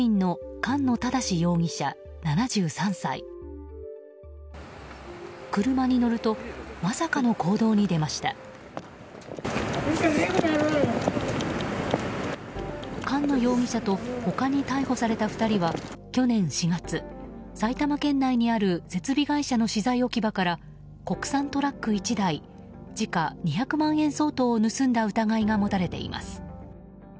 菅野容疑者と他に逮捕された２人は去年４月、埼玉県内にある設備会社の資材置き場から国産トラック１台時価２００万円相当を盗んだ疑いが持たれています。